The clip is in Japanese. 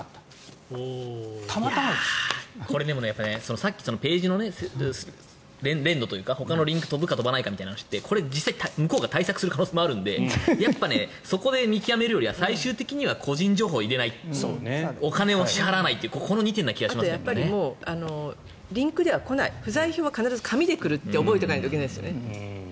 さっきページの練度というかほかのリンクに飛ぶか飛ばないかという話ってこれ、実際、向こうが対策する可能性があるのでそこで見極めるよりは最終的には個人情報を入れないお金を支払わないというあとはリンクでは来ない不在票は必ず紙で来るって覚えておかないといけないですよね。